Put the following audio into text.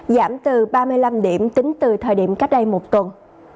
giảm từ ba mươi năm điểm tính từ thời điểm cách đây một tuần